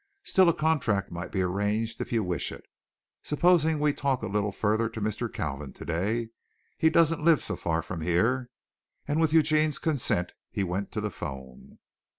Still a contract might be arranged if you wish it. Supposing we talk a little further to Mr. Kalvin today. He doesn't live so far from here," and with Eugene's consent he went to the phone.